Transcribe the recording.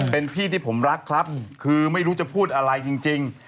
เป็นพี่ที่ผมรักครับคือไม่รู้จะพูดอะไรจริง